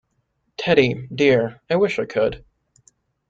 Teddy, dear, I wish I could!